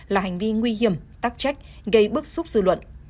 là hành vi nguy hiểm tắc trách gây bức xúc dư luận